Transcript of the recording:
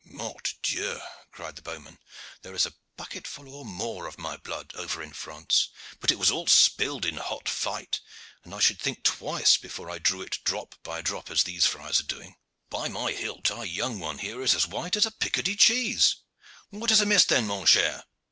"Mort Dieu!" cried the bowman, "there is a bucketful or more of my blood over in France, but it was all spilled in hot fight, and I should think twice before I drew it drop by drop as these friars are doing. By my hilt! our young one here is as white as a Picardy cheese. What is amiss then, mon cher?"